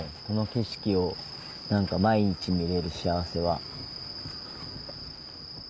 この景色を毎日見れる幸せは。